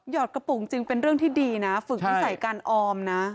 อดกระปุกจริงเป็นเรื่องที่ดีนะฝึกนิสัยการออมนะ